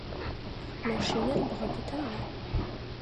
Машинэр бгъапытагъа?